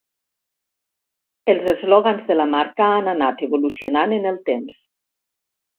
Els eslògans de la marca han anat evolucionant en el temps.